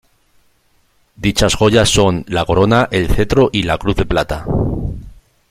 Dichas joyas son: la corona, el cetro y la cruz de plata.